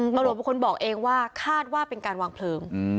ตำรวจเป็นคนบอกเองว่าคาดว่าเป็นการวางเพลิง